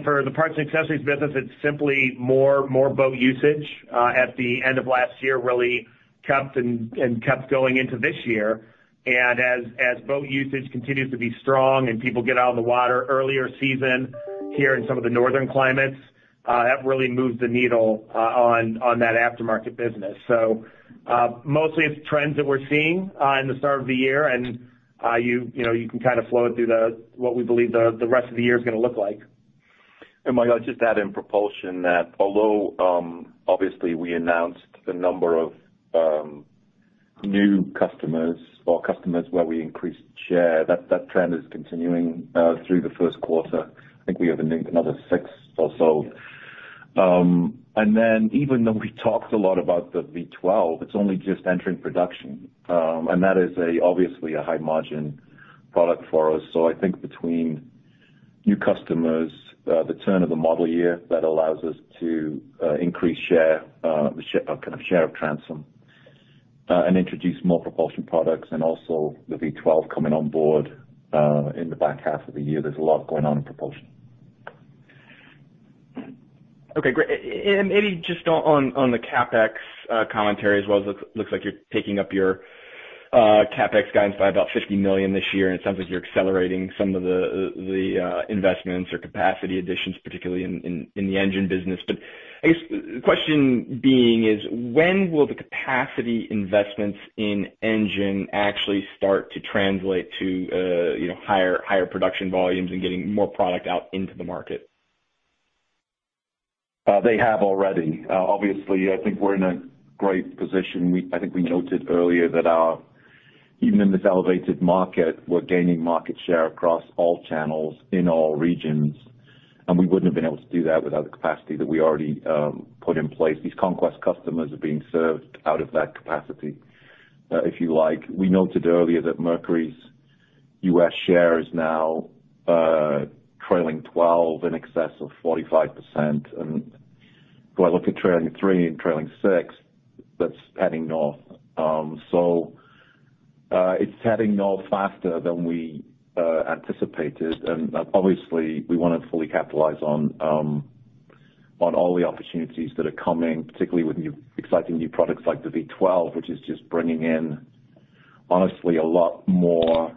For the parts and accessories business, it's simply more boat usage at the end of last year really kept going into this year. As boat usage continues to be strong and people get out on the water earlier season here in some of the northern climates, that really moves the needle on that aftermarket business. So mostly, it's trends that we're seeing in the start of the year, and you can kind of flow it through what we believe the rest of the year is going to look like.
And Michael, just add in propulsion that although obviously we announced a number of new customers or customers where we increased share, that trend is continuing through the first quarter. I think we have another six or so. And then even though we talked a lot about the V12, it's only just entering production, and that is obviously a high-margin product for us. So I think between new customers, the turn of the model year that allows us to increase share, kind of share of transom, and introduce more propulsion products, and also the V12 coming on board in the back half of the year. There's a lot going on in propulsion.
Okay. Great. and maybe just on the CapEx commentary as well, it looks like you're taking up your CapEx guidance by about $50 million this year, and it sounds like you're accelerating some of the investments or capacity additions, particularly in the engine business, but I guess the question being is, when will the capacity investments in engine actually start to translate to higher production volumes and getting more product out into the market?
They have already. Obviously, I think we're in a great position. I think we noted earlier that even in this elevated market, we're gaining market share across all channels in all regions, and we wouldn't have been able to do that without the capacity that we already put in place. These onquest customers are being served out of that capacity, if you like. We noted earlier that Mercury's U.S. share is now trailing 12 in excess of 45%. And if I look at trailing three and trailing six, that's heading north. So it's heading north faster than we anticipated. And obviously, we want to fully capitalize on all the opportunities that are coming, particularly with exciting new products like the V12, which is just bringing in, honestly, a lot more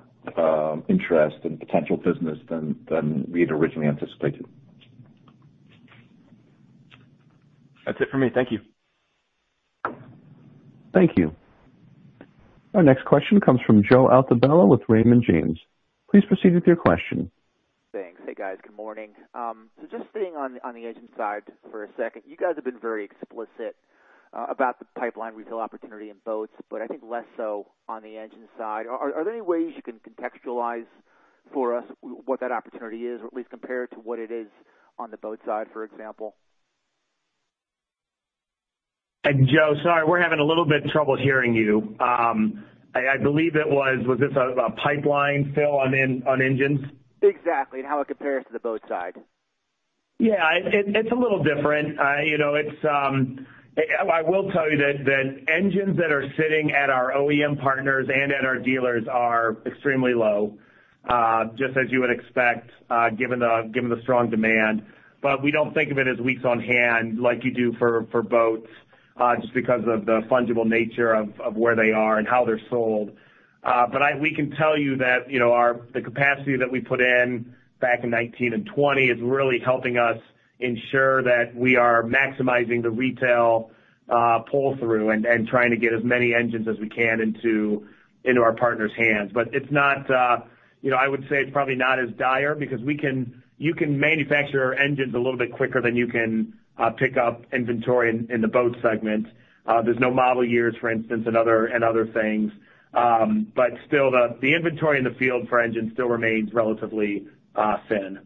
interest and potential business than we had originally anticipated.
That's it for me. Thank you.
Thank you. Our next question comes from Joe Altobello with Raymond James. Please proceed with your question.
Thanks. Hey, guys. Good morning. So just staying on the engine side for a second, you guys have been very explicit about the pipeline retail opportunity in boats, but I think less so on the engine side. Are there any ways you can contextualize for us what that opportunity is, or at least compare it to what it is on the boat side, for example?
Joe, sorry, we're having a little bit of trouble hearing you. I believe it was, was this a pipeline fill on engines?
Exactly. And how it compares to the boat side.
Yeah. It's a little different. I will tell you that engines that are sitting at our OEM partners and at our dealers are extremely low, just as you would expect given the strong demand. But we don't think of it as weeks on hand like you do for boats just because of the fungible nature of where they are and how they're sold. But we can tell you that the capacity that we put in back in 2019 and 2020 is really helping us ensure that we are maximizing the retail pull-through and trying to get as many engines as we can into our partners' hands. But it's not. I would say it's probably not as dire because you can manufacture engines a little bit quicker than you can pick up inventory in the boat segment. There's no model years, for instance, and other things. But still, the inventory in the field for engines still remains relatively thin.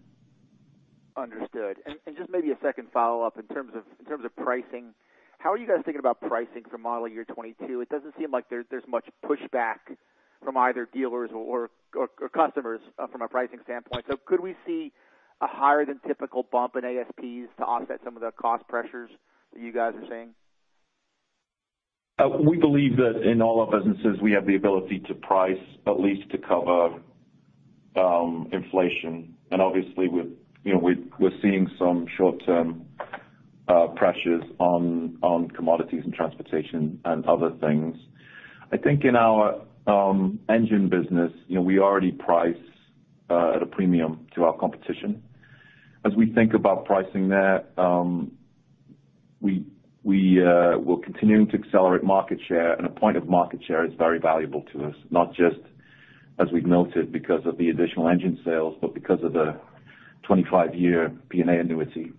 Understood. And just maybe a second follow-up in terms of pricing. How are you guys thinking about pricing for model year 2022? It doesn't seem like there's much pushback from either dealers or customers from a pricing standpoint. So could we see a higher than typical bump in ASPs to offset some of the cost pressures that you guys are seeing?
We believe that in all our businesses, we have the ability to price at least to cover inflation. And obviously, we're seeing some short-term pressures on commodities and transportation and other things. I think in our engine business, we already price at a premium to our competition. As we think about pricing that, we will continue to accelerate market share, and a point of market share is very valuable to us, not just, as we've noted, because of the additional engine sales, but because of the 25-year P&A annuity.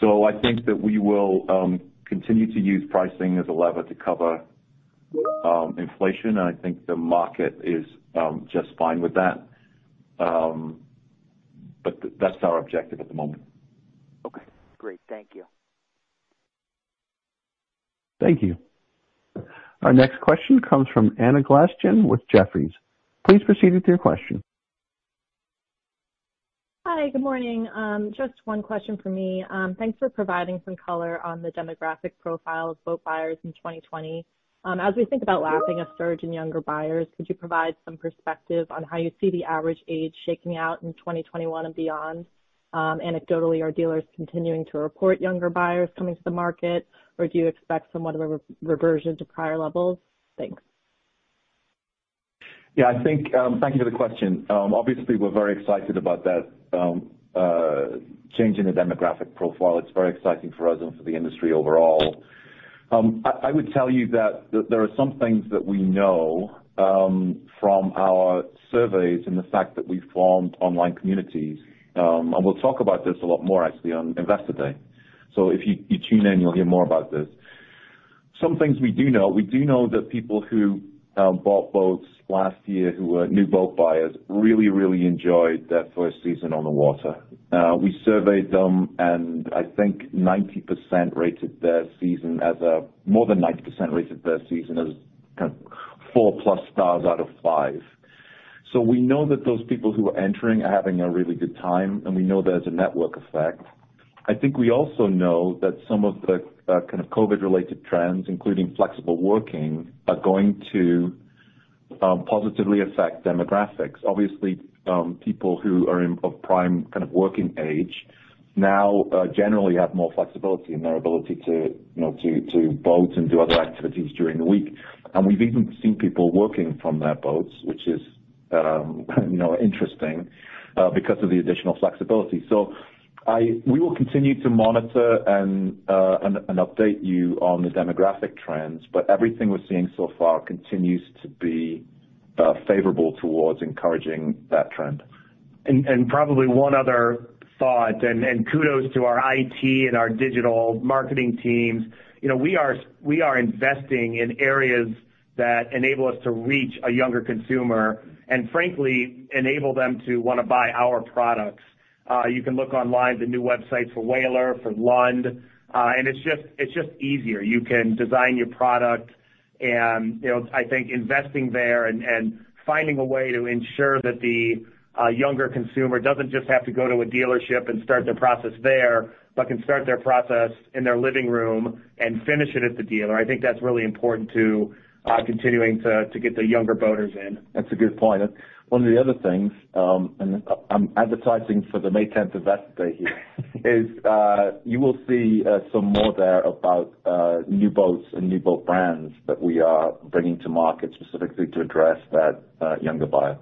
So I think that we will continue to use pricing as a lever to cover inflation, and I think the market is just fine with that. But that's our objective at the moment.
Okay. Great. Thank you.
Thank you. Our next question comes from Anna Glaessgen with Jefferies. Please proceed with your question.
Hi. Good morning. Just one question for me. Thanks for providing some color on the demographic profile of boat buyers in 2020. As we think about lapping a surge in younger buyers, could you provide some perspective on how you see the average age shaking out in 2021 and beyond? Anecdotally, are dealers continuing to report younger buyers coming to the market, or do you expect some mean reversion to prior levels. Thanks.
Yeah. Thank you for the question. Obviously, we're very excited about that change in the demographic profile. It's very exciting for us and for the industry overall. I would tell you that there are some things that we know from our surveys and the fact that we formed online communities, and we'll talk about this a lot more, actually, on Investor Day, so if you tune in, you'll hear more about this. Some things we do know. We do know that people who bought boats last year who were new boat buyers really, really enjoyed their first season on the water. We surveyed them, and I think more than 90% rated their season as kind of 4+ stars out of 5. So we know that those people who are entering are having a really good time, and we know there's a network effect. I think we also know that some of the kind of COVID-related trends, including flexible working, are going to positively affect demographics. Obviously, people who are of prime kind of working age now generally have more flexibility in their ability to boat and do other activities during the week. We have even seen people working from their boats, which is interesting because of the additional flexibility. We will continue to monitor and update you on the demographic trends, but everything we're seeing so far continues to be favorable towards encouraging that trend.
Probably one other thought, and kudos to our IT and our digital marketing teams. We are investing in areas that enable us to reach a younger consumer and, frankly, enable them to want to buy our products. You can look online at the new websites for Whaler, for Lund, and it's just easier. You can design your product, and I think investing there and finding a way to ensure that the younger consumer doesn't just have to go to a dealership and start their process there, but can start their process in their living room and finish it at the dealer. I think that's really important to continuing to get the younger boaters in.
That's a good point. One of the other things, and I'm advertising for the May 10th Investor Day here, is you will see some more there about new boats and new boat brands that we are bringing to market specifically to address that younger buyer.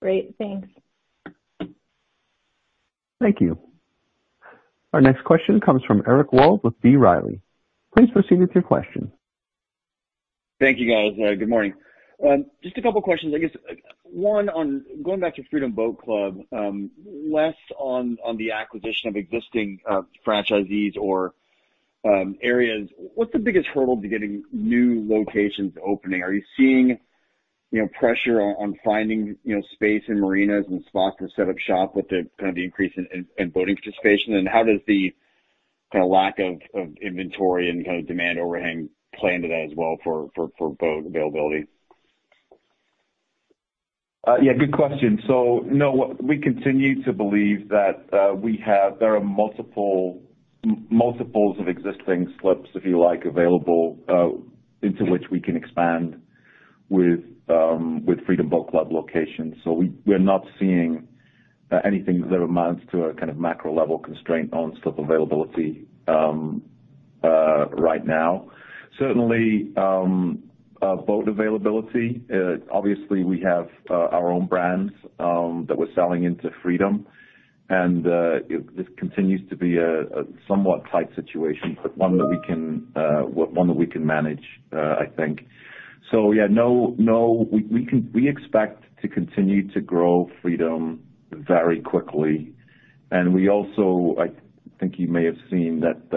Great. Thanks.
Thank you. Our next question comes from Eric Wold with B. Riley. Please proceed with your question.
Thank you, guys. Good morning. Just a couple of questions. I guess one on going back to Freedom Boat Club, less on the acquisition of existing franchisees or areas. What's the biggest hurdle to getting new locations opening? Are you seeing pressure on finding space in marinas and spots to set up shop with kind of the increase in boating participation? And how does the kind of lack of inventory and kind of demand overhang play into that as well for boat availability?
Yeah. Good question. So no, we continue to believe that there are multiples of existing slips, if you like, available into which we can expand with Freedom Boat Club locations. So we're not seeing anything that amounts to a kind of macro-level constraint on slip availability right now. Certainly, boat availability. Obviously, we have our own brands that we're selling into Freedom, and this continues to be a somewhat tight situation, but one that we can manage, I think. So yeah, no, we expect to continue to grow Freedom very quickly. And we also, I think you may have seen that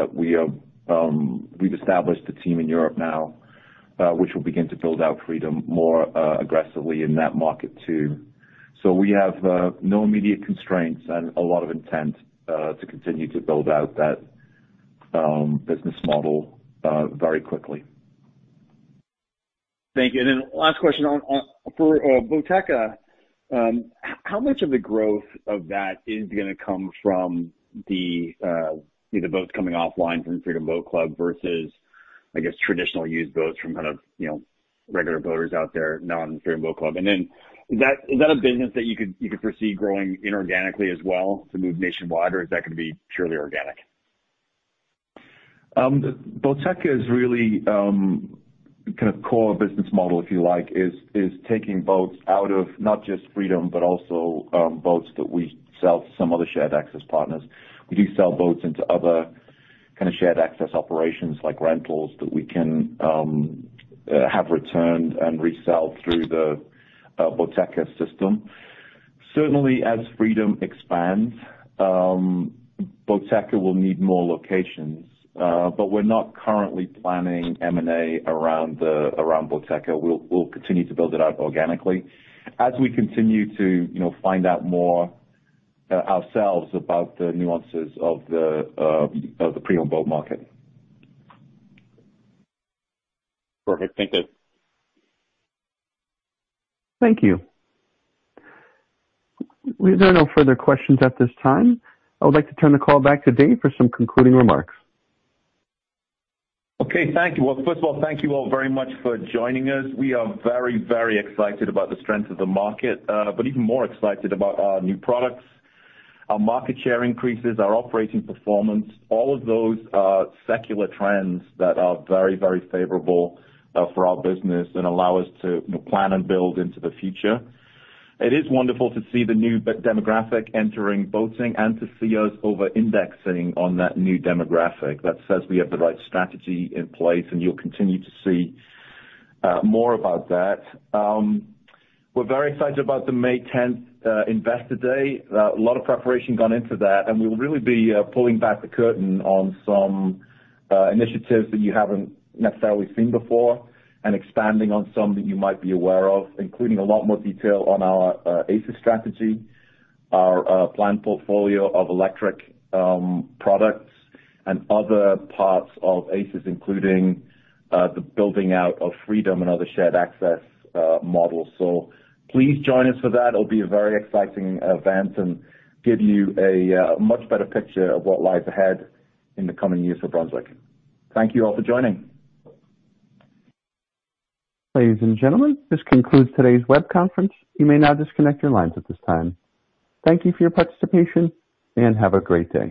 we've established a team in Europe now, which will begin to build out Freedom more aggressively in that market too. So we have no immediate constraints and a lot of intent to continue to build out that business model very quickly.
Thank you. And then last question for Boateka. How much of the growth of that is going to come from the boats coming offline from Freedom Boat Club versus, I guess, traditional used boats from kind of regular boaters out there, not on Freedom Boat Club? And then is that a business that you could foresee growing inorganically as well to move nationwide, or is that going to be purely organic?
Boateka's really kind of core business model, if you like, is taking boats out of not just Freedom, but also boats that we sell to some other shared access partners. We do sell boats into other kind of shared access operations like rentals that we can have returned and resell through the Boateka system. Certainly, as Freedom expands, Boateka will need more locations, but we're not currently planning M&A around Boateka. We'll continue to build it out organically as we continue to find out more ourselves about the nuances of the Freedom Boat market.
Perfect. Thank you.
Thank you. There are no further questions at this time. I would like to turn the call back to Dave for some concluding remarks.
Okay. Thank you. First of all, thank you all very much for joining us. We are very, very excited about the strength of the market, but even more excited about our new products, our market share increases, our operating performance, all of those secular trends that are very, very favorable for our business and allow us to plan and build into the future. It is wonderful to see the new demographic entering boating and to see us over-indexing on that new demographic that says we have the right strategy in place, and you'll continue to see more about that. We're very excited about the May 10th Investor Day. A lot of preparation gone into that, and we will really be pulling back the curtain on some initiatives that you haven't necessarily seen before and expanding on some that you might be aware of, including a lot more detail on our ACES strategy, our planned portfolio of electric products, and other parts of ACES, including the building out of Freedom and other shared access models. So please join us for that. It'll be a very exciting event and give you a much better picture of what lies ahead in the coming years for Brunswick. Thank you all for joining.
Ladies and gentlemen, this concludes today's web conference. You may now disconnect your lines at this time. Thank you for your participation and have a great day.